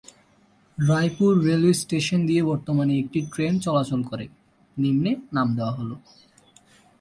Raipur railway station দিয়ে বর্তমানে একটি ট্রেন চলাচল করে নিম্নে নাম দেওয়া হলোঃ